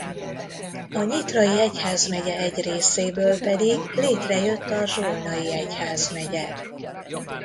A nyitrai egyházmegye egy részéből pedig létrejött a zsolnai egyházmegye.